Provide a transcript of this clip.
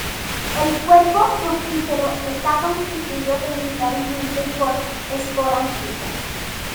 El cuerpo fructífero está constituido principalmente por esporangios.